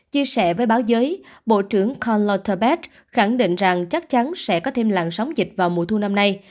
chia sẻ với báo giới bộ trưởng con lottebeth khẳng định rằng chắc chắn sẽ có thêm làn sóng dịch vào mùa thu năm nay